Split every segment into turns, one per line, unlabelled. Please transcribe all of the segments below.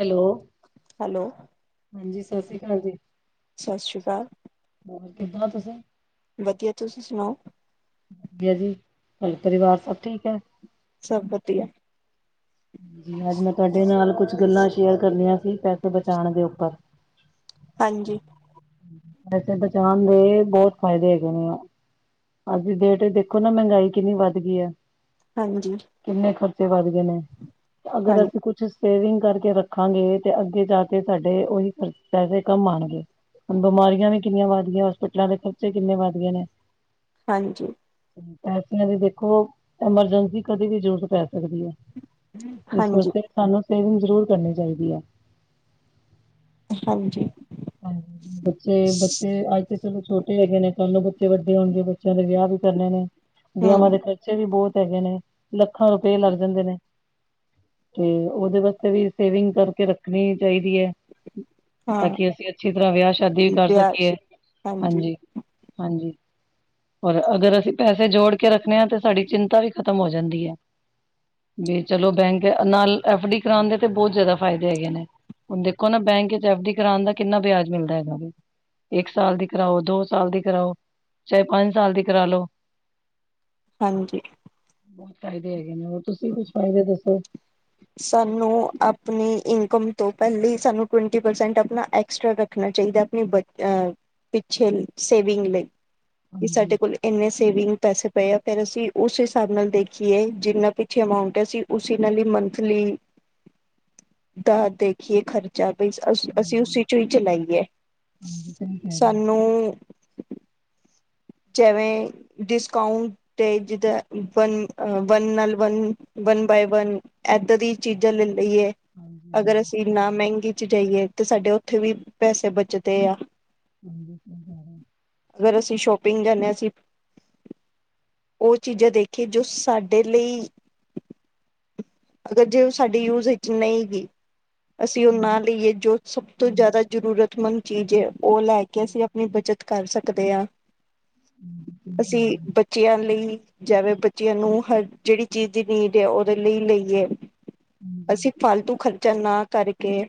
Hello.
Hello.
ਹਾਂਜੀ ਸਤਿ ਸ਼੍ਰੀ ਅਕਾਲ ਜੀ।
ਸਾਸ਼੍ਰੀਕਾਲ।
ਹੋਰ ਕਿੱਦਾਂ ਤੁਸੀਂ?
ਵਦੀਆ ਤੁਸੀ ਸੁਣਾਓ?
ਵਦੀਆ ਜੀ ਘਰ ਪਰਿਵਾਰ ਸਬ ਠੀਕ ਐ।
ਸਬ ਵਦੀਆ।
ਜੀ ਅੱਜ ਮੈਂ ਤਾਡੇ ਨਾਲ ਕੁਸ਼ ਗੱਲਾਂ ਸ਼ੇਅਰ ਕਰਨੀਆਂ ਸੀ ਪੈਸੇ ਬਚਾਣ ਦੇ ਉੱਪਰ।
ਹਾਂਜੀ।
ਪੈਸੇ ਬਚਾਣ ਦੇ ਬੌਤ ਫੈਦੇ ਹੈਗੇ ਨੇ ਆ। ਅੱਜ ਦੀ ਡੇਟ ਇ ਦੇਖੋ ਨਾ ਮਹਿੰਗਾਈ ਕਿੰਨੀ ਵੱਧ ਗੀ ਐ।
ਹਾਂਜੀ।
ਕਿੰਨੇ ਖਰਚੇ ਵੱਧ ਗੇ ਨੇ
ਹਾਂ
ਅਗਰ ਅਸੀ ਕੁਛ ਸੇਵਿੰਗ ਕਰਕੇ ਰੱਖਾਂਗੇ ਤੇ ਅੱਗੇ ਜਾ ਕੇ ਸਾਡੇ ਓਹੀ ਪੈ ਪੈਸੇ ਕੰਮ ਆਣਗੇ। ਹੁਨ ਬਿਮਾਰੀਆਂ ਵੀ ਕਿਨੀਆਂ ਵੱਧ ਗੀਆਂ ਹੋਸਪਿਟਲਾਂ ਦੇ ਖਰਚੇ ਕਿੰਨੇ ਵੱਧ ਗੇ ਨੇ।
ਹਾਂਜੀ।
ਪੈਸਿਆਂ ਦੀ ਦੇਖੋ ਐਮਰਜੈਂਸੀ ਕਦੀ ਵੀ ਜਰੂਰਤ ਪੈ ਸਕਦੀ ਐ। ਇਸ
ਹਾਂਜੀ
ਵਾਸਤੇ ਸਾਨੂੰ ਸੇਵਿੰਗ ਜਰੂਰ ਕਰਨੀ ਚਾਈਦੀ ਆ। ਹਾਂ
ਹਾਂਜੀ
-ਹਾਂਜੀ ਬੱਚੇ -ਬੱਚੇ ਅੱਜ ਤੇ ਛੋਟੇ ਹੈਗੇ ਨੇ ਕੱਲ੍ਹ ਨੂੰ ਬੱਚੇ ਵੱਡੇ ਹੋਨਗੇ ਬੱਚਿਆਂ ਦੇ ਵਿਆਅ ਵੀ ਕਰਨੇ ਨੇ ਵਿਆਵਾਂ
ਹਮ
ਦੇ ਖਰਚੇ ਵੀ ਬੌਤ ਹੇਗੇ ਨੇ ਲੱਖਾਂ ਰੁਪਏ ਲੱਗ ਜਾਂਦੇ ਨੇ। ਤੇ ਓਦੇ ਵਾਸਤੇ ਵੀ ਸੇਵਿੰਗ ਕਰਕੇ ਰੱਖਨੀ ਚਾਈਦੀ ਐ।
ਹਾਂ
ਤਾਕਿ ਅਸੀ ਅੱਛੀ ਤਰ੍ਹਾਂ ਵਿਆਅ ਸ਼ਾਦੀ ਵੀ ਕਰ
ਵਿਆਜ
ਸਕੀਏ ਹਾਂਜੀ- ਹਾਂਜੀ। ਔਰ ਅਗਰ ਅਸੀ ਪੈਸੇ ਜੋੜ ਕੇ ਰੱਖਨੇ ਆਂ ਤੇ ਸਾਡੀ ਚਿੰਤਾ ਵੀ ਖ਼ਤਮ ਹੋ ਜਾਂਦੀ ਐ। ਵੀ ਚਲੋ ਬੈਂਕ ਨਾਲ ਐਫ ਡੀ ਕਰਾਣ ਦੇ ਤੇ ਬੌਤ ਜਆਦਾ ਫਾਇਦੇ ਹੈਗੇ ਨੇ। ਹੁਨ ਦੇਖੋ ਨਾ ਬੈਂਕ ਇਚ ਐਫ ਡੀ ਕਰਾਨ ਦਾ ਕਿੰਨਾ ਵਿਆਜ ਮਿਲਦਾ ਹੈਗਾ ਵੇ ਇੱਕ ਸਾਲ ਦੀ ਕਰਾਓ, ਦੋ ਸਾਲ ਦੀ ਕਰਾਓ ਚਾਏ ਪੰਜ ਸਾਲ ਦੀ ਕਰਾ ਲੋ। [inaudible]
ਹਾਂਜੀ।
ਬਹੁਤ ਫਾਇਦੇ ਹੈਗੇ ਨੇ ਹੋਰ ਤੁਸੀ ਵੀ ਕੁਛ ਫਾਇਦੇ ਦੱਸੋ।
ਸਾਨੂੰ ਆਪਨੀ ਇਨਕਮ ਤੋਂ ਪੈਲੇ ਈ ਸਾਨੂੰ ਟਵੰਟੀ ਪਰਸੈਂਟ ਆਪਣਾ ਐਕਸਟਰਾ ਰੱਖ ਰੱਖਨਾ ਚਾਈਦਾ ਆਪਣੀ ਬ ਅ ਪਿੱਛੇ ਲੀ ਸੇਵਿੰਗ ਲਈ ਵੀ
ਹਾਂਜੀ
ਸਾਡੇ ਕੋਲ ਇੰਨੇ ਸੇਵਿੰਗ ਪੈਸੇ ਪਏ ਆ ਫੇਰ ਅਸੀ ਉਸ ਹਿਸਾਬ ਨਾਲ ਦੇਖੀਏ ਜਿੰਨਾ ਪਿੱਛੇ ਅਮਾਊਂਟ ਐ ਅਸੀ ਉਸੀ ਨਾਲ ਈ ਮਨ ਮਨਥਲੀ ਦਾ ਦੇਖ ਏ ਖਰਚਾ ਬਈ ਅ ਅਸੀ ਉਸ
ਹਾਂਜੀ
ਚੋ ਈ ਚਲਾਈਏ
ਹਾਂਜੀ ਸਹੀ ਕਹਿ ਰਹੇ ਹੋ
ਸਾਨੂੰ ਜੈਂਵੇਂ ਡਿਸਕਾਉਂਟ ਤੇ ਜਿੱਦਾਂ ਵਨ ਅ ਵਨ ਨਾਲ ਵਨ, ਵਨ ਬਾਏ ਵਨ। ਐਦਾਂ ਦੀ ਚੀਜਾਂ ਲੇ ਲਈਏ।
ਹਾਂਜੀ
ਅਗਰ
ਹਾਂਜੀ
ਅਸੀ
ਸਹੀ ਕਹਿ
ਨਾ
ਰਹੇ ਹੋ,
ਮੈਂਗੀ ਚ ਜਾਈਏ ਤਾਂ ਸਾਡੇ ਉੱਥੇ ਵੀ ਪੈਸੇ ਬਚਦੇ ਆ।
[inaudible]
ਅਗਰ ਅਸੀ ਸ਼ੋਪਿੰਗ ਜਾਂਨੇ ਆ ਅਸੀਂ ਓ ਚੀਜਾਂ ਦੇਖੀਏ ਜੋ ਸਾਡੇ ਲਈ ਅਗਰ ਜੇ ਓ ਸਾਡੀ ਯੂਜ ਵਿੱਚ ਨਈ ਗੀ ਅਸੀ ਓ ਨਾ
ਹਾਂਜੀ
ਲਈਏ ਜੋ ਸਭ ਤੋਂ
ਹਾਂਜੀ
ਜਆਦਾ ਜਰੂਰਤਮੰਦ ਚੀਜ ਐ ਓ ਲੈ ਕੇ ਅਸੀ ਆਪਣੀ ਬਚਤ ਕਰ ਸਕਦੇ ਆਂ
ਹਾਂਜੀ ਸਹੀ ਕਹਿ
ਅਸੀਂ
ਰਹੇ ਹੋ
ਬੱਚਿਆਂ ਲਈ ਜੈਂਵੇ ਬੱਚਿਆਂ ਨੂੰ ਹਰ ਜੇੜੀ ਚੀਜ ਦੀ ਨੀਡ ਐ ਉਦੇ ਲਈ ਲਈਏ।
ਹਾਂਜੀ
ਅਸੀ ਫਾਲਤੂ ਖ਼ਰਚਾ ਨਾ ਕਰਕੇ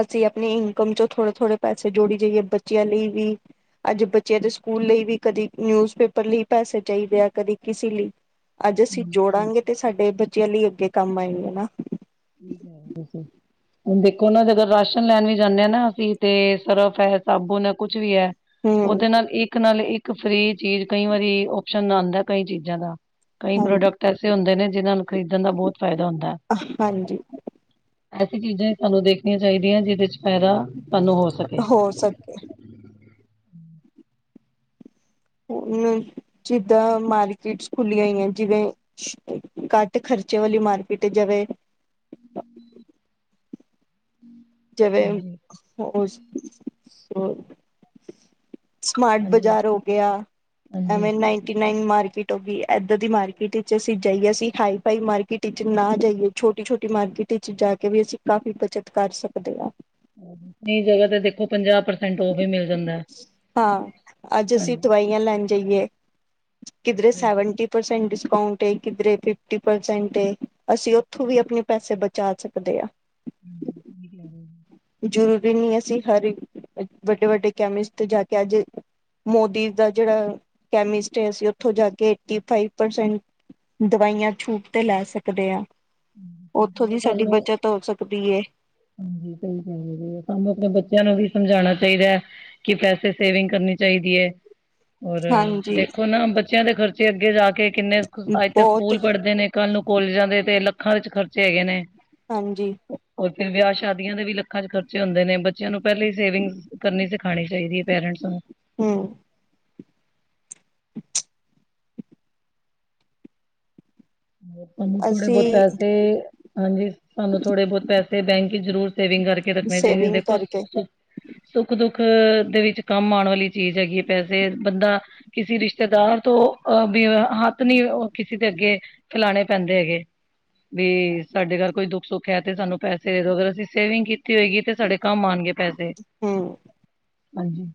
ਅਸੀਂ ਆਪਣੀ ਇਨਕਮ 'ਚੋਂ ਥੋੜੇ -ਥੋੜੇ ਪੈਸੇ ਜੋੜੀ ਜਾਈਏ ਬੱਚਿਆਂ ਲਈ ਵੀ ਅੱਜ ਬੱਚਿਆਂ ਦੇ ਸਕੂਲ ਲਈ ਵੀ, ਕਦੇ ਨਿਊਜ਼ ਪੇਪਰ ਲਈ ਪੈਸੇ ਚਾਹੀਦੇ ਆ ਕਦੇ ਕਿਸੀ ਲੀ ਅੱਜ ਅਸੀ
ਹਾਂਜੀ ਸਹੀ ਸਹੀ
ਜੋੜਾਂਗੇ ਤੇ ਸਾਡੇ ਬੱਚਿਆਂ ਲਈ ਅੱਗੇ ਕੰਮ ਆਏਂਗੇ ਨਾ
ਠੀਕ ਐ ਤੁਸੀ ਹੁਣ ਦੇਖੋ ਨਾ ਜਦੋ ਰਾਸ਼ਨ ਲੈਣ ਵੀ ਜਾਂਣੇ ਆਂ ਨਾ ਅਸੀ, ਤੇ ਸਰਫ ਹੈ, ਸਾਬੁਣ ਹੈ ਕੁਛ ਵੀ ਐ
ਹਮ
ਉਹਦੇ ਨਾਲ ਇੱਕ ਨਾਲ ਇੱਕ ਫਰੀ, ਚੀਜ਼ ਕਈ ਵਾਰੀ ਓਪਸ਼ਨ ਆਂਦਾ ਕਈ ਚੀਜ਼ਾਂ ਦਾ ਕਈ
ਹਾਂਜੀ
ਪ੍ਰੋਡਕਟ ਐਸੇ ਹੁੰਦੇ ਨੇ ਜਿਨਾਂ ਨੂੰ ਖ਼ਰੀਦਣ ਦਾ ਬਹੁਤ ਫੈਦਾ ਹੁੰਦਾ
ਅਹ ਹਾਂਜੀ
ਹੈ। ਐਸੀ ਚੀਜ਼ਾਂ ਹੀ ਸਾਨੂੰ ਦੇਖਣੀਆਂ ਚਾਹੀਦੀਆਂ ਜਿਹਦੇ 'ਚ ਫੈਦਾ ਸਾਨੂੰ ਹੋ ਸਕੇ
ਹੋ ਸਕੇ ਹੁਣ, ਜਿੱਦਾਂ ਮਾਰਕੀਟਸ ਖੁੱਲੀਆਂ ਨੇ ਜਿਵੇਂ ਘੱਟ ਖਰਚੇ ਵਾਲੀ ਮਾਰਕੀਟ ਜਿਵੇਂ ਜਿਵੇਂ,
ਹਾਂਜੀ
ਉਸ, ਸੋਸ ਸਮਾਰਟ
ਹਾਂਜੀ
ਬਾਜ਼ਾਰ ਹੋ ਗਿਆ,
ਹਾਂਜੀ
ਐਵੇਂ ਨਹੀ ਨਾਈਟੀ ਨਾਈਨ ਮਾਰਕੀਟ ਹੋ ਗਈ, ਐਦਾਂ ਦੀ ਮਾਰਕੀਟ ਵਿੱਚ ਅਸੀਂ ਜਾਈਏ, ਅਸੀ ਹਾਈ ਫਾਈ ਮਾਰਕੀਟ ਵਿੱਚ ਨਾ ਜਾਈਏ ਛੋਟੀ- ਛੋਟੀ ਮਾਰਕੀਟ ਵਿੱਚ ਜਾ ਕੇ ਵੀ ਅਸੀਂ ਕਾਫ਼ੀ ਬੱਚਤ ਕਰ ਸਕਦੇ ਆਂ
ਨਈ ਜਗ੍ਹਾ ਤਾਂ ਦੇਖੋ ਪੰਜਾਹ ਪ੍ਰਸੈਂਟ ਓਫ ਵੀ ਮਿਲ ਜਾਂਦਾ, ਹਾਂਜੀ
ਜਾਂ ਲੈਣ ਜਾਈਏ, ਕਿਧਰੇ
ਹਾਂਜੀ
ਸੈਵਨਟੀ ਪਰਸੈਟ ਡਿਸਕਾਊਂਟ ਏ, ਕਿਧਰੇ ਫਿਫਟੀ ਪਰਸੈਂਟ ਏ, ਅਸੀ ਉਥੋਂ ਵੀ ਆਪਣੇ ਪੈਸੇ ਬਚਾ ਸਕਦੇ ਆਂ
ਹਮ, ਸਹੀ ਲੈ ਰੇ
ਜ਼ਰੂਰੀ ਨਹੀ ਅਸੀ ਹਰ ਇੱਕ, ਵੱਡੇ- ਵੱਡੇ ਕੈਮਿਸਟ ਜਾ ਕੇ ਅੱਜ ਮੋਦੀ ਦਾ ਜੇੜਾ, ਕੈਮਿਸਟ ਆ ਅਸੀ ਉੱਥੋ ਜਾ ਕੇ ਏਟੀ ਫਾਈਵ ਪਰਸੈੰਟ ਦਵਾਈਆਂ ਛੂਟ ਤੇ ਲੈ ਸਕਦੇ ਐ ਓਥੋਂ ਦੀ ਸਾਡੀ
ਸਾਨੂੰ
ਬੱਚਤ ਹੋ ਸਕਦੀ ਏ
ਹਾਂਜੀ ਸਹੀ ਗੱਲ ਏ, ਸਾਨੂੰ ਆਪਣੇ ਬੱਚਿਆਂ ਨੂੰ ਵੀ ਸਮਝਾਉਣਾ ਚਾਹੀਦਾ ਕੀ ਕੈਸੇ ਸੇਵਿੰਗ ਕਰਨੀ ਚਾਹੀਦੀ ਐ ਔਰ,
ਹਾਂਜੀ
ਦੇਖੋ ਨਾ ਬੱਚਿਆਂ ਦੇ ਖਰਚੇ ਅੱਗੇ ਜਾ ਕੇ ਕਿੰਨੇ ਸਕ, ਅੱਜ ਤੇ
ਬਹੁਤ
ਸਕੂਲ ਪੜ੍ਹਦੇ ਨੇ ਕੱਲ ਨੂੰ ਕਾਲਜਾਂ ਜਾਂਦੇ ਪਏ, ਤੇ ਲੱਖਾਂ ਵਿੱਚ ਖਰਚੇ ਹੈਗੇ ਨੇ
ਹਾਂਜੀ
ਔਰ ਫੇਰ ਵਿਆਹ ਸ਼ਾਦੀਆਂ ਦੇ ਵੀ ਲੱਖਾਂ 'ਚ ਖਰਚੇ ਹੁੰਦੇ ਨੇ, ਬੱਚਿਆਂ ਨੂੰ ਪਹਿਲੇ ਹੀ ਸੇਵਿੰਗ ਕਰਨੀ ਸਿਖਾਉਣੀ ਚਾਹੀਦੀ ਐ ਪੇਰੈਂਟਸ ਨੂੰ
ਹਮ [inaudible]
ਲੋਕਾਂ ਨੂੰ ਥੋੜੇ ਬੋਤ
ਅਸੀਂ
ਪੈਸੇ ਹਾਂਜੀ ਸਾਨੂੰ ਥੋੜੇ ਬਹੁਤ ਪੈਸੇ ਬੈਂਕ 'ਚ ਜ਼ਰੂਰ ਸੇਵਿੰਗ ਕਰਕੇ ਰੱਖਣੇ ਚਾਹੀਦੇ,
ਸੇਵਿੰਗ
ਦੇਖੋ
ਕਰਕੇ
ਸ ਸੁੱਖ -ਦੁੱਖ ਦੇ ਵਿੱਚ ਕੰਮ ਆਉਣ ਵਾਲੀ ਚੀਜ਼ ਹੈਗੀ, ਪੈਸੇ ਬੰਦਾ ਕਿਸੀ ਰਿਸ਼ਤੇਦਾਰ ਤੋਂ, ਅਹ ਵੀ ਹੱਥ ਨੀ ਕਿਸੇ ਦੇ ਅੱਗੇ ਖਿਲਾਣੇ ਪੈਂਦੇ ਹੈਗੇ ਵੀ, ਸਾਡੇ ਘਰ ਕੋਈ ਦੁੱਖ- ਸੁੱਖ ਹੈ, ਤੇ ਸਾਨੂੰ ਪੈਸੇ ਦੇ ਦੋ ਅਗਰ ਅਸੀਂ ਸੇਵਿੰਗ ਕੀਤੀ ਹੋਏਗੀ ਤੇ ਸਾਡੇ ਕੰਮ ਆਣਗੇ ਪੈਸੇ,
ਹੂੰ
ਹਾਂਜੀ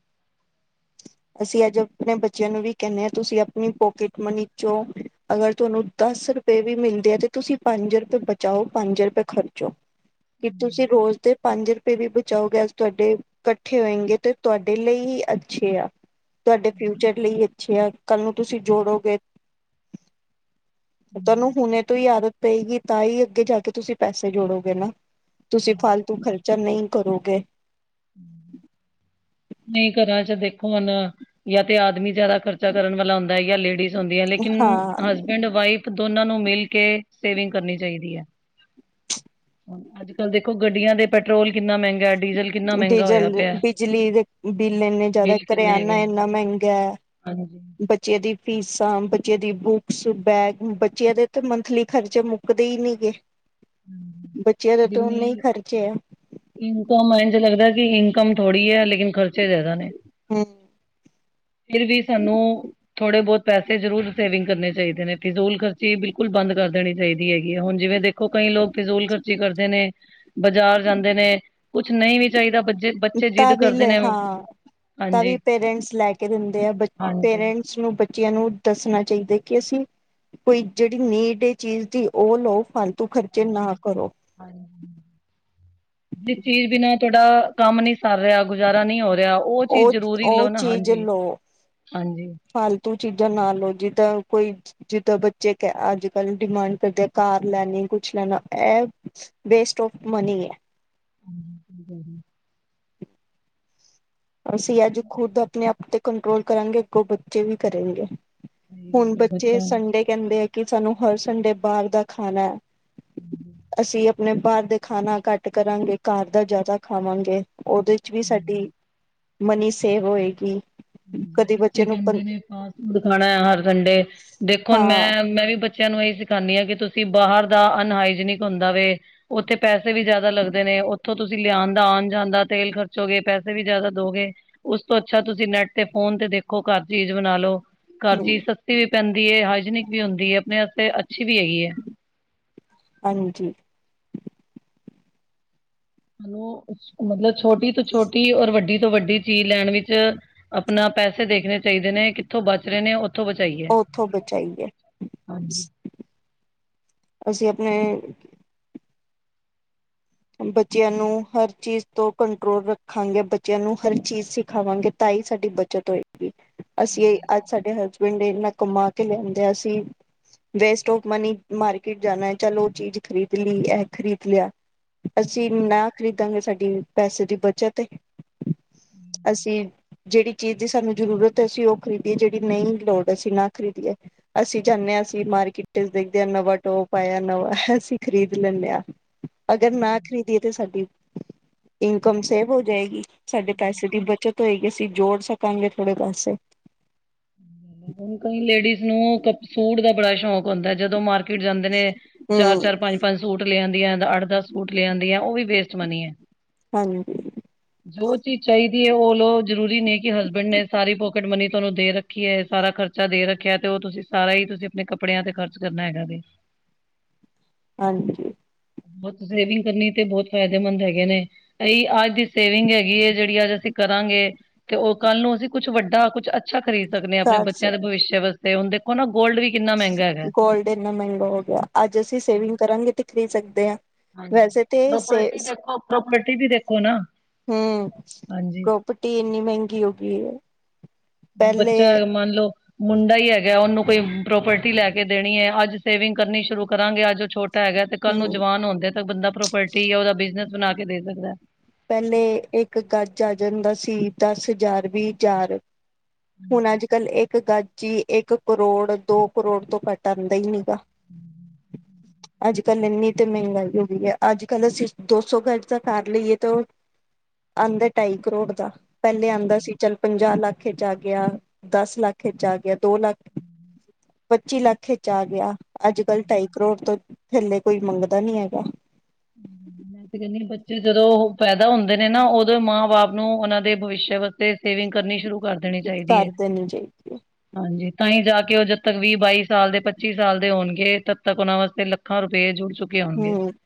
ਅਸੀਂ ਅੱਜ ਆਪਣੇ ਬੱਚਿਆਂ ਨੂੰ ਵੀ ਕਹਿਣੇ ਆਂ, ਤੁਸੀਂ ਆਪਣੀ ਪੋਕਟ ਮਨੀ 'ਚੋਂ ਅਗਰ ਤੁਹਾਨੂੰ ਦਸ ਰੁਪਏ ਵੀ ਮਿਲਦੇ ਐ, ਤੇ ਤੁਸੀਂ ਪੰਜ ਰੁਪਏ ਬਚਾਓ, ਪੰਜ ਰੁਪਏ ਖਰਚੋ ਕੀ ਤੁਸੀਂ ਰੋਜ਼ ਦੇ ਪੰਜ ਰੁਪਏ ਵੀ ਬਚਾਓਗੇ ਅੱਜ ਤੁਹਾਡੇ, ਇਕੱਠੇ ਹੋਏਂਗੇ ਤੇ ਤੁਹਾਡੇ ਲਈ ਹੀ ਅੱਜ ਅੱਛੇ ਆ, ਤਾਡੇ ਫਿਊਚਰ ਲਈ ਅੱਛੇ ਆ, ਕੱਲ ਨੂੰ ਤੁਸੀਂ ਜੋੜੋਗੇ
[inaudible]
ਤੁਆਨੂੰ ਹੁਣੇ ਤੋਂ ਈ ਆਦਤ ਪਏਗੀ ਤਾਂ ਈ ਅੱਗੇ ਜਾ ਕੇ ਤੁਸੀਂ ਪੈਸੇ ਜੋੜੋਗੇ ਨਾ, ਤੁਸੀਂ ਫਾਲਤੂ ਖ਼ਰਚਾ ਨਈ ਕਰੋਗੇ।
ਹੂੰ ਨਈ ਘਰਾਂ ਚ ਦੇਖੋ ਮਤਲਬ, ਜਾਂ ਤੇ ਆਦਮੀ ਜਿਆਦਾ ਖਰਚਾ ਕਰਨ ਵਾਲਾ ਹੁੰਦਾ ਜਾਂ ਲੇਡੀਜ਼। ਹੁੰਦੀ ਐ, ਲੇਕਿਨ
ਹਾਂ
ਹਸਬੈਂਡ ਵਾਈਫ ਦੋਨਾਂ ਨੂੰ ਮਿਲ ਕੇ ਸੇਵਿੰਗ ਕਰਨੀ ਚਾਈਦੀ ਐ। ਹੁ, ਅੱਜ -ਕੱਲ ਦੇਖੋ ਗੱਡੀਆਂ ਦੇ ਪੈਟਰੋਲ ਕਿੰਨਾ ਮੇਂਗਾ ਡੀਜ਼ਲ ਕਿੰਨਾ ਮਹਿੰਗਾ
ਡੀਜ਼ਲ,
ਹੋਇਆ ਪਿਆ।
ਬਿਜਲੀ ਦੇ ਬਿੱਲ ਇੰਨੇ ਜ਼ਾਦਾ
ਬਿੱਲ ਕਿੰਨੇ ਹੈਗੇ
ਕਰਿਆਨਾ ਏਨਾ ਮੇਂਗਾ ਆ।
ਹਾਂਜੀ।
ਬੱਚੇਆ ਦੀ ਫੀਸਾਂ, ਬੱਚੇਆ ਦੀ ਬੁੱਕਸ, ਬੈਗ ਬੱਚਿਆਂ ਦੇ ਤਾਂ ਮੰਥਲੀ ਖਰਚੇ ਮੁ ਮੁੱੱਕਦੇ ਈ ਨਈ ਗੇ,
ਹਮ।
ਬੱਚੇਆਂ ਦਾ ਤਾਂ ਓਨੇ ਈ ਖ਼ਰਚੇ ਐ।
ਮੈਨੂੰ ਤਾਂ ਹੁਣ ਇੰਝ ਲੱਗਦਾ ਕਿ ਇਨਕਮ ਥੋੜ੍ਹੀ ਐ ਲੇਕਿਨ ਖਰਚੇ ਜ਼ਾਦਾ ਨੇ,
ਹਾਂ
ਫਿਰ ਵੀ ਸਾਨੂੰ ਥੋੜੇ ਬੋਤ ਪੈਸੇ ਜ਼ਰੂਰ ਸੇਵਿੰਗ ਕਰਨੇ ਚਾਈਦੇ ਨੇ, ਫਿਜ਼ੂਲ ਖਰਚੀ ਬਿਲਕੁਲ ਬੰਦ ਕਰ ਦੇਣੀ ਚਾਈਦੀ ਹੈਗੀ ਆ, ਹੁਣ ਜਿਵੇਂ ਦੇਖੋ ਤੇ ਕਈ ਲੋਕ ਫਿਜ਼ੂਲ ਖਰਚੀ ਕਰਦੇ ਨੇ, ਬਾਜ਼ਾਰ ਜਾਂਦੇ ਨੇ ਕੁਛ ਨਈ ਵੀ ਚਾਈਦਾ ਬੱਚੇ ਜਿੱਦ
ਤਾਂ ਵੀ
ਕਰਦੇ
ਲੈ
ਨੇ
ਹਾਂ, ਤਾਂ
ਹਾਂਜੀ
ਵੀ ਪੇਰੈਂਟਸ ਲੈ ਕੇ ਦਿੰਦੇ ਆ
ਹਾਂਜੀ
ਪੇਰੈਂਟਸ ਸਗੋ ਬੱਚੇਆਂ ਨੂੰ ਦੱਸਣਾ ਚਾਈਦਾ ਕਿ ਅਸੀ ਕੋਈ ਜੇੜੀ ਨੀਡ ਐ ਚੀਜ਼ ਦੀ ਓ ਲਓ ਫਾਲਤੂ ਖਰਚੇ ਨਾ ਕਰੋ।
ਹਾਂਜੀ, ਜਿਸ ਚੀਜ਼ ਬਿਨਾ ਤੁਆਡਾ ਕੰਮ ਨੀ, ਕਰ ਰੇਆ ਗੁਜ਼ਾਰਾ ਨਈ ਹੋ ਰੇਆ ਓ ਚੀਜ਼
ਉਹ
ਜ਼ਰੂਰੀ
ਉਹ
ਲਓ ਨਾ
ਚੀਜ਼
ਹਾਂਜੀ
ਲਓ
-ਹਾਂਜੀ।
ਫਾਲਤੂ ਚੀਜ਼ਾਂ ਨਾ ਲਓ ਜਿੱਦਾਂ ਕੋਈ ਜਿੱਦਾਂ ਬੱਚੇ ਕ ਅੱਜ -ਕੱਲ ਡਿਮਾਂਡ ਕਰਦੇ ਆ ਕਾਰ ਲੈਣੀ ਕੁਛ ਲੈਣਾ ਐ ਵੇਸਟ ਔਫ ਮਨੀ ਐ।
ਹਾਂਜੀ [inaudible]
ਅਸੀ ਅੱਜ ਖੁਦ ਆਪਣੇ ਆਪ ਤੇ ਕੰਟਰੋਲ ਕਰਾਂਗੇ ਅਗੋ ਬੱਚੇ ਵੀ ਕਰਨਗੇ
ਸਹੀ
ਹੁਣ
ਗੱਲ ਹੈ
ਬੱਚੇ
ਬੱਚਿਆਂ ਨੂੰ।
ਸੰਡੇ ਕੇਂਦੇ ਆ ਕਿ ਸਾਨੂੰ ਹਰ ਸੰਡੇ ਬਾਹਰ ਦਾ ਖਾਣਾ,
ਹਾਂਜੀ,
ਅਸੀਂ ਆਪਣੇ ਬਾਹਰ ਦੇ ਖਾਣਾ ਘੱਟ ਕਰਾਂਗੇ ਘਰ ਦਾ ਜ਼ਾਦਾ ਖਾਵਾਂਗੇ ਓਦੇ ਚ ਵੀ
ਹਾਂਜੀ।
ਸਾਡੀ ਮਨੀ ਸੇਵ ਹੋਏਗੀ ਕਦੇ
ਹੁ--ਬੱਚੇ
ਬੱਚੇ ਨੂੰ
ਕੇਂਦੇ ਨੇ ਫਾਸਟ ਫੂਡ ਖਾਣਾ ਹਰ ਸੰਡੇ, ਦੇਖੋ ਹੁਣ ਮੈਂ
ਹਾਂ
-ਮੈਂ ਵੀ ਬ ਬੱਚੇਆਂ ਨੂੰ ਏ ਸਿਖਾਂਣੀ ਆ ਕਿ ਤੁਸੀਂ ਬਾਹਰ ਦਾ ਅਨਹਾਈਜੀਨਿਕ ਹੁੰਦਾ ਵੇ ਓਥੇ ਪੈਸੇ ਵੀ ਜ਼ਾਦਾ ਲੱਗਦੇ ਨੇ ਓਥੋਂ ਤੁਸੀਂ ਤੁਸੀਂ ਲਿਆਣ ਦਾ ਆਣ ਜਾਂਨ ਦਾ ਤੇਲ ਖਰਚੋਗੇ ਪੈਸੇ ਵੀ ਜ਼ਾਦਾ ਦੋਗੇ ਉਸ ਤੋਂ ਅੱਛਾ ਤੁਸੀਂ ਨੈੱਟ ਤੇ ਫੋਨ ਤੇ ਦੇਖੋ ਘਰ ਚੀਜ਼ ਬਣਾਲੋ, ਘਰ ਚੀਜ਼ ਸ ਸਸਤੀ ਵੀ ਪੈਂਦੀ ਏ ਹਾਈਜੀਨਿਕ ਵੀ ਹੁੰਦੀ ਐ ਆਪਣੇ ਵਸਤੇ ਅੱਛੀ ਵੀ ਹੈਗੀ ਆ
ਹਾਂਜੀ।
ਸਾਨੂੰ ਮਤਲਬ ਛੋਟੀ ਤੋਂ ਛੋਟੀ ਔਰ ਵੱਡੀ ਤੋਂ ਵੱਡੀ ਚੀਜ਼ ਲੈਣ ਵਿੱਚ ਆਪਣਾ ਪੈਸੇ ਦੇਖਣੇ ਚਾਈਦੇ ਨੇ ਕਿੱਥੋਂ ਬਚ ਰਏ ਨੇ ਬਚਾਈਏ
ਓ ਓਥੋਂ ਬਚਾਈਏ,
ਹਾਂਜੀ
ਅਸੀਂ ਆਪਣੇ ਬੱਚੇਆਂ ਨੂੰ ਹਰ ਚੀਜ਼ ਤੋਂ ਕੰਟਰੋਲ ਰੱਖਾਂਗੇ, ਬੱਚਿਆਂ ਨੂੰ ਹਰ ਚੀਜ਼ ਸਿਖਾਵਾਂਗੇ ਤਾਂ ਈ ਸਾਡੀ ਬੱਚਤ ਹੋਏਗੀ ਅਸੀ ਅੱਜ ਸਾਡੇ ਹਸ ਬੈਂਡ ਦੇਖ ਲਾ ਕਮਾ ਕੇ ਲਿਆਂਦਾ ਸੀਂ ਵੇਸਟ ਆਫ ਮਨੀ ਮਾਰਕੀਟ ਜਾਣਾ ਐ ਚੱਲ ਓ ਚੀਜ਼ ਖਰੀਦ ਲਈ ਐ ਖਰੀਦ ਲਿਆ ਅਸੀਂ ਨਾ ਖਰੀਦਾਂਗੇ ਸਾਡੀ ਪੈਸੇ ਦੀ ਬਚਤ ਏ, ਅਸੀਂ ਜੇੜੀ ਚੀਜ਼ ਦੀ ਸਾਨੂੰ ਜ਼ਰੂਰਤ ਐ ਅਸੀਂ ਓ ਖਰੀਦੀਏ ਜੇੜੀ ਨਈ ਲੋੜ ਐ ਅਸੀਂ ਨਾ ਖਰੀਦੀਏ ਫੇਰ। ਅਸੀਂ ਜਾਂਦੇ ਹਾਂ ਅਸੀਂ ਮਾਰਕੀਟ ਚੱ ਦੇਖਦੇ ਹਾਂ ਨਵਾਂ ਟੋਪ ਆਇਆ ਨਵਾਂ ਅਸੀਂ ਖ਼ਰੀਦ ਲੈਂਦੇ ਹਾਂ। ਅਗਰ ਨਾ ਖਰੀਦੀਏ ਤਾਂ ਸਾਡੀ, ਇਨਕਮ ਸੇਵ ਹੋ ਜਾਏਗੀ ਸਾਡੇ ਪੈਸੇ ਦੀ ਬੱਚਤ ਹੋਏਗੀ ਅਸੀਂ ਜੋੜ ਸਕਾਂਗੇ ਥੋੜੇ ਪੈਸੇ
ਹੁਣ ਕਈ ਲੇਡੀਜ਼ ਨੂੰ ਕ- ਸੂਟ ਦਾ ਬੜਾ ਸ਼ੌਕ ਹੁੰਦਾ ਜਦੋਂ ਮਰ ਕਿੱਟ ਜਾਂਦੇ ਨੇ ਚਾਰ-ਚਾਰ ਪੰਜ ਪੰਜ ਸੂਟ ਲਿਆਦੀਆਂ ਅੱਠ-ਦਸ ਸੂਟ ਲਿਆਦੀ ਆ ਉਹ ਵੀ ਵੇਸਟ ਮੰਨੀਏ।
ਹਾਂਜੀ
ਜੋ ਚੀਜ਼ ਚਾਹੀਦੀ ਏ ਉਹ ਲਾਓ ਜ਼ਰੂਰੀ ਨਹੀਂ ਕਿ ਹਸਬੈਂਡ ਨੇ ਸਾਰੀ ਪੋਕਿਟ ਮਨੀ ਤੁਹਾਨੂੰ ਦੇ ਰੱਖ ਰੱਖੀ ਏ ਸਾਰਾ ਖਰਚਾ ਦੇ ਰੱਖਿਆ ਤੇ ਉਹ ਤੁਸੀਂ ਸਾਰਾ ਹੀ ਤੁਸੀਂ ਆਪਣੇ ਕੱਪੜਿਆਂ ਤੇ ਖਰਚ ਕਰਨਾ ਹੈਗਾ ਜੇ।
ਹਾਂਜੀ
ਬਹੁਤ ਸੇਵਿੰਗ ਕਰਨੀ ਤੇ ਬਹੁਤ ਫਾਇਦੇਮੰਦ ਹੈਗੇ ਨੇ। ਇਹੀ ਅੱਜ ਦੀ ਸੇਵਿੰਗ ਹੈਗੀ ਇਹ ਜਿਹੜੀ ਅੱਜ ਅਸੀਂ ਕਰਾਂਗੇ। ਤੇ ਉਹ ਕੱਲ ਨੂੰ ਅਸੀਂ ਕੁੱਛ ਵੱਡਾ ਕੁੱਛ ਅੱਛਾ ਖਰੀਦ ਸਕਦੇ ਆ। ਆਪਣੇ
ਕਰ
ਬੱਚਿਆਂ ਦੇ
ਸਕ
ਭਵਿੱਸ਼ ਵਾਸਤੇ ਹੁਣ ਦੇਖੋ ਨਾ ਗੋਲਡ ਵੀ ਕਿੰਨਾ ਮਹਿੰਗਾ ਹੈਗਾ
ਗੋਲਡ ਇੰਨਾ ਮਹਿੰਗਾ ਹੋ ਗਿਆ। ਅੱਜ ਅਸੀਂ ਸੇਵਿੰਗ ਕਰਾਂਗੇ ਤੇ ਖਰੀਦ ਸਕਦੇ ਹਾਂ।
ਹਾਂਜੀ
ਵੈਸੇ ਤੇ ਸੇ
ਪ੍ਰੋਪਰਟੀ ਦੇਖੋ ਪ੍ਰੋਪਰਟੀ ਵੀ ਦੇਖੋ ਨਾ?
ਹਮ
ਹਾਂਜੀ
ਪ੍ਰੋਪਰਟੀ ਇੰਨੀ ਮਹਿੰਗੀ ਹੋ ਗਈ ਏ।
ਬੱਚਾ ਏ ਮੰਨ ਲਓ ਮੁੰਡਾ ਹੀ ਹੈਗਾ ਉਹਨੂੰ ਕੋਈ ਪ੍ਰੋਪਰਟੀ ਲੈ ਕੇ ਦੇਣੀ ਹੈ ਅੱਜ ਸੇਵਿੰਗ ਕਰਨੀ ਸ਼ੁਰੂ ਕਰਾਂਗੇ ਅੱਜ ਛੋਟ ਛੋਟਾ ਹੈਗਾ ਤੇ ਕੱਲ੍ਹ ਨੂੰ
ਹਮ
ਜਵਾਨ ਹੁੰਦਾ ਤੇ ਬੰਦਾ ਪ੍ਰੋਪਰਟੀ ਜਾਂ ਉਹਦਾ ਬਿਜਨਸ ਬਣਾ ਕੇ ਦੇ ਸਕਦਾ।
ਪਹਿਲੇ ਇੱਕ ਗੱਜ ਆ ਜਾਂਦਾ ਸੀ। ਦਸ ਹਜ਼ਾਰ, ਵੀਹ ਹਜ਼ਾਰ ਹੁਣ ਅੱਜ-ਕੱਲ੍ਹ ਇੱਕ ਗਾਜੀ ਇੱਕ ਕਰੋੜ ਦੋ ਕਰੋੜ ਤੋਂ ਘੱਟ ਆਉਂਦਾ ਹੀ ਨਹੀਂ ਗਾ।
[inaudible]
ਅੱਜ-ਕੱਲ੍ਹ ਇੰਨੀ ਤੇ ਮਹਿੰਗਾਈ ਹੋ ਗਈ ਏ। ਅੱਜ-ਕੱਲ੍ਹ ਅਸੀਂ ਦੋ ਸੌ ਗਜ ਦਾ ਕਰ ਲਈਏ ਤਾਂ ਉਹ ਆਂਦਾ ਢਾਈ ਕਰੋੜ ਦਾ ਪਹਿਲੇ ਆਂਦਾ ਸੀ। ਚੱਲ ਪੰਜਾਹ ਲੱਖ ਜਾ ਆ ਗਿਆ ਦਸ ਲੱਖ ਆ ਗਿਆ, ਦੋ ਲੱਖ, ਪੱਚੀ ਲੱਖ ਆ ਗਿਆ। ਅੱਜ-ਕੱਲ੍ਹ ਢਾਈ ਕਰੋੜ ਤੋਂ ਥੱਲੇ ਕੋਈ ਮੰਗਦਾ ਨਹੀਂ ਹੈਗਾ।
[inaudible] ਮੈਂ ਤੇ ਕਹਿੰਦੀ ਬੱਚੇ ਜਦੋਂ ਉਹ ਪੈਦਾ ਹੁੰਦੇ ਨੇ ਨਾ ਉਦੋਂ ਮਾਂ ਬਾਪ ਨੂੰ ਉਹਨਾਂ ਦੇ ਭਵਿਸ਼ਿਆ ਸੇਵਿੰਗ ਕਰਨੀ ਸ਼ੁਰੂ ਦੇਣੀ ਚਾਹੀਦੀ ਏ।
ਕਰ ਦੇਣੀ ਚਾਹੀਦੀ ਹੈ।
ਹਾਂਜੀ ਤਾਂਹੀ ਜਾ ਕੇ ਉਹ ਜਦ ਤੱਕ ਵੀਹ ਬਾਈ ਸਾਲ ਦੇ ਪੱਚੀ ਸਾਲ ਦੇ ਹੋਣਗੇ। ਤਦ ਤੱਕ ਉਹਨਾਂ ਵਾਸਤੇ ਲੱ ਲੱਖਾਂ ਰੁਪਏ ਜੁੜ ਚੁੱਕੇ ਹੋਣਗੇ।
ਹਮ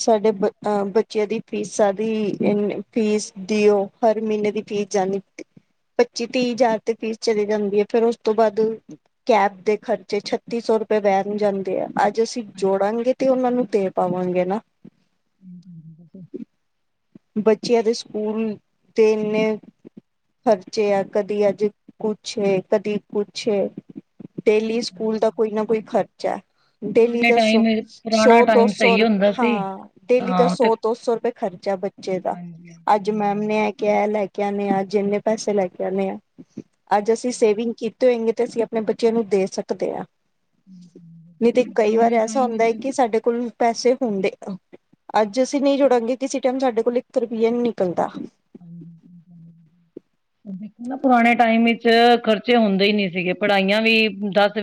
ਸਾਡੇ ਬ ਅਹ ਬੱਚਿਆਂ ਦੀ ਫੀਸਾਂ ਦੀ ਇ ਫੀਸ ਦੀ ਉਹ। ਹਰ ਮਹੀਨੇ ਦੀ ਫੀਸ ਜਾਣੀ ਪੱਚੀ ਤੀਹ ਹਜ਼ਾਰ ਤੇ ਫੀਸ ਚਲੀ ਜਾਂਦੀ ਹੈ ਫੇਰ ਉਸ ਤੋਂ ਬਾਅਦ ਕੈਬ ਦੇ ਖਰਚੇ ਛੱਤੀ ਸੌ ਰੁਪਏ ਵੈਣ ਜਾਂਦੇ ਆ ਅੱਜ ਅਸੀਂ
ਹਾਂਜੀ।
ਜੋੜਾਂਗੇ ਤੇ ਉਹਨਾਂ ਨੂੰ ਦੇ ਪਾਵਾਂਗੇ ਨਾ।
ਹਮ [inaudible]
ਬੱਚਿਆਂ ਦੇ ਸਕੂਲ ਦੇ ਇੰਨੇ ਖਰਚੇ ਆ ਕਦੀ ਅੱਜ ਕੁੱਛ ਏ, ਕਦੀ ਕੁੱਛ ਏ। ਡੇਲੀ ਸਕੂਲ ਦਾ ਕੋਈ ਨਾ ਕੋਈ ਖਰਚਾ। ਡੇਲੀ
ਪੁਰਾਣੇ
ਦਾ ਸੌ
ਟਾਈਮ ਪੁਰਾਣਾ
ਸੌ ਦੋ
ਟਾਈਮ
ਸੌ
ਸਹੀ
ਰੁਪਏ
ਹੁੰਦਾ ਸੀ
ਹਾਂ ਡੇਲੀ
ਹਾਂ
ਦਾ
ਤੇ
ਸੌ ਦੋ ਸੌ ਰੁਪਏ। ਖਰਚਾ ਬੱਚੇ ਦਾ
ਹਾਂਜੀ
ਅੱਜ
ਹਾਂਜੀ
ਮੈਮ ਨੇ, ਕਹਿ ਲੈ ਆਦੇ ਆ। ਅੱਜ ਇੰਨੇ ਪੈਸੇ ਲੈ ਕੇ ਆਣੇ ਆ ਅੱਜ ਸੇਵਿੰਗ ਕੀਤੀ। ਹੋਏਗੀ ਤੇ ਅਸੀਂ ਆਪਣੇ ਬੱਚਿਆਂ ਨੂੰ ਦੇ ਸਕਦੇ ਆ। ਨਹੀ ਤੇ
ਹਾਂਜੀ
ਕਈ ਵਾਰ
ਪੁਰਾਣੇ
ਐਸਾ
ਟਾਈਮ
ਹੁੰਦਾ
ਵਿੱਚ
ਏ ਕਿ ਸਾਡੇ ਕੋਲ ਪੈਸੇ ਹੁੰਦੇ, ਅੱਜ ਅਸੀਂ ਨਹੀਂ ਜੋੜਾਂਗੇ ਕਿਸੇ ਟਾਈਮ ਸਾਡੇ ਕੋਲ ਇੱਕ ਰੁਪਈਆ ਨੀ ਨਿਕਲਦਾ।
ਦੇਖੋ ਨਾ, ਪੁਰਾਣੇ ਟਾਈਮ ਈਚ ਖਰਚੇ ਹੁੰਦੇ ਹੀ ਨੀ ਸੀਗੇ ਪੜ੍ਹਾਈਆਂ ਵੀ ਦੱਸ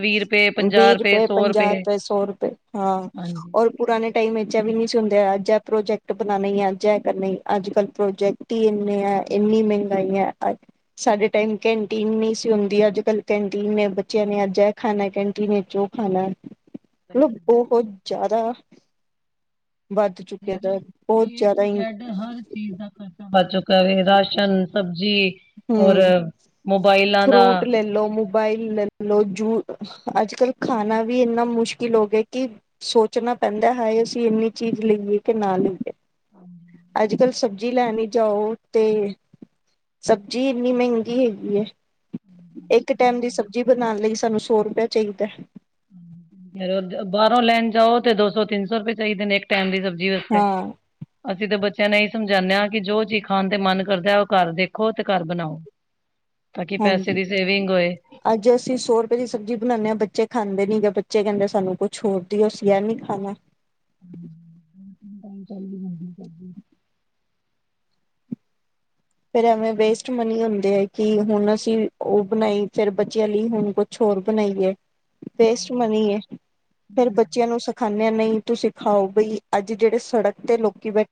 ਵੀਹ ਰੁਪਏ, ਪੰਜਾਹ ਰੁਪਏ, ਸੌ ਰੁਪਏ ਹਾਂ
ਹਾਂਜੀ
ਔਰ ਪੁਰਾਣੇ ਟਾਈਮ ਇੰਚ ਐ ਵੀ ਨਹੀ ਸੀ ਹੁੰਦੇ, ਅੱਜ ਐ ਪ੍ਰੋਜੈਕਟ ਬਣਾਣੇ ਅੱਜ ਐ ਕਰਨੇ ਈ, ਅੱਜ-ਕੱਲ੍ਹ ਪ੍ਰੋਜੈਕਟ ਟੀ ਇੰਨੇ ਏ ਇੰਨੀ ਮਹਿੰਗਾਈ ਆ ਅੱਜ। ਸਾਡੇ ਟਾਈਮ ਕੰਟੀਨ ਨਹੀਂ ਸੀ ਹੁੰਦੀ ਅੱਜ ਕੱਲ੍ਹ ਕੰਟੀਨ ਏ ਬੱਚਿਆਂ ਨੇ ਅੱਜ ਏ ਖਾਣਾ ਕੰਟੀਨ ਚੋਂ ਉਹ ਖਾਣਾ
ਸਹੀ
ਮਤਲਬ ਬਹੁਤ ਜਾਦਾ ਵੱਧ ਚੁੱਕੇ ਦਾ
ਦੇਖਲੋ
ਬਹੁਤ
ਏ
ਜ਼ਿਆਦਾ
ਟੂ
ਈ
ਜੈਡ ਹਰ ਚੀਜ਼ ਦਾ ਖ਼ਰਚਾ [inaudible] ਚੁੱਕਾ ਐ ਰਾਸ਼ਨ ਸਬਜ਼ੀ ਔਰ ਮੋਬਾਇਲਾਂ ਦਾ
ਪਹਿਲੋਂ ਮੋਬ ਬਾਈ ਲੈ ਲੋ ਜੂ ਅੱਜ ਕੱਲ੍ਹ ਖਾਣਾ ਵੀ ਇੰਨਾ ਮੁਸ਼ਕਿਲ ਹੋ ਗਿਆ ਕਿ ਸੋਚਣਾ ਪੈਂਦਾ ਐ ਹਾਏ ਅੱਸੀ ਇੰਨੀ ਚੀਜ਼ ਲਈਏ ਕਿ ਨਾ ਲਈਏ। ਅੱਜ ਕੱਲ੍ਹ ਸਬਜ਼ੀ ਲੈਨ ਈ ਜਾਓ ਤੇ ਸਬਜ਼ੀ ਇੰਨੀ ਮਹਿੰਗੀ ਹੈਗੀ ਏ ਇੱਕ ਟੈਮ ਦੀ
ਔਰ
ਸਬਜ਼ੀ ਬਣਾਣ ਲਈ ਸਾਨੂੰ ਸੌ ਰੁਪਿਆ ਚਾਹੀਦਾ।
ਬਾਹਰੋਂ ਲੈਣ ਜਾਓ ਤੇ ਦੋ ਸੌ ਤਿੰਨ ਸੌ ਰੁਪਏ ਚਾਹੀਦੇ ਨੇ ਇੱਕ ਟੈਮ ਦੀ ਸਬਜ਼ੀ ਵਾਸਤੇ।
ਹਾਂ
ਅਸੀਂ ਤਾਂ ਬੱਚਿਆਂ ਨੇ ਇਹੀ ਸਮਝਣੇ ਆ ਕਿ ਜੋ ਚੀਜ਼ ਖਾਣ ਤੇ ਮਨ ਕਰਦਾ ਉਹ ਕਰ ਦੇਖੋਂ ਤੇ ਕਰ ਬਣਾਓ। ਤਾਂ ਕਿ ਪੈਸੇ
ਹਾਂਜੀ
ਦੀ ਸੇਵਿੰਗ ਹੋਏ।
ਅੱਜ ਅਸੀਂ ਸੌ ਰੁਪਏ ਦੀ ਸਬਜ਼ੀ ਬਣਾਣੇ ਹਾਂ ਬੱਚੇ ਖਾਂਦੇ ਨੀ ਗੇ ਬੱਚੇ ਕਹਿੰਦੇ ਸਾਨੂੰ ਕੁਛ ਹੋਰ ਦਿਓ ਅਸੀਂ ਐ ਨੀ ਖਾਣਾ।
[unintelligible]
ਫ਼ੇਰ ਐਵੇਂ ਵੇਸਟ ਮਨੀ ਹੁੰਦੇ ਐ ਕਿ ਹੁਣ ਅਸੀਂ ਉਹ ਬਣਾਈ ਫ਼ੇਰ ਬੱਚਿਆਂ ਲਈ ਹੁਣ ਕੁਛ ਕੁਛ ਹੋਰ ਬਣਾਈਏ ਵੇਸਟ ਮਨੀ ਏ ਫੇ਼ਰ ਬੱਚਿਆਂ ਨੂੰ ਸਿਖਾਨੇ ਆ ਨਹੀਂ ਤੁਸੀਂ ਖਾਓ ਬਈ ਅੱਜ ਜਿਹੜੇ ਸੜਕ ਤੇ ਲੋਕੀਂ ਬੈਠੇ